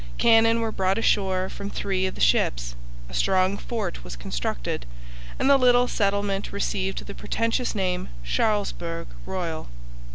Cannon were brought ashore from three of the ships. A strong fort was constructed, and the little settlement received the pretentious name Charlesbourg Royal.